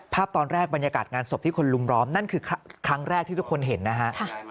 ภาพตอนแรกบรรยากาศงานศพที่คุณลุงล้อมนั่นคือครั้งแรกที่ทุกคนเห็นนะฮะ